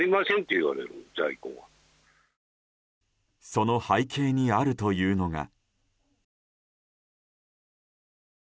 その背景にあるというのが。